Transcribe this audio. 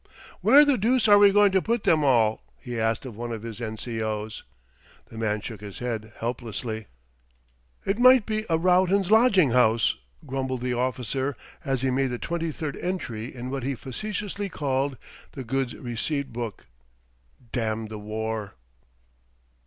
"Where the deuce are we going to put them all," he asked of one of his N.C.O.'s. The man shook his head helplessly. "It might be a Rowton's lodging house," grumbled the officer, as he made the twenty third entry in what he facetiously called the "Goods Received Book." "Damn the war!"